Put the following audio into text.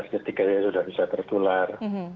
lima belas detik aja sudah bisa tertular